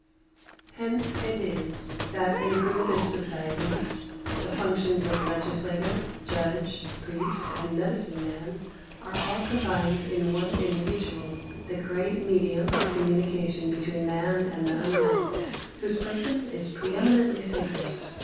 13. Hence it is that, in primitive societies, the functions of legislator, judge, priest, and medicine man are all combined in one individual, the great medium of communication between man and the unknown, whose person is pre eminently sacred.